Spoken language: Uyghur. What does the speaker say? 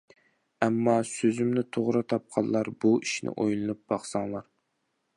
ئەمما سۆزۈمنى توغرا تاپقانلار بۇ ئىشنى ئويلىنىپ باقساڭلار!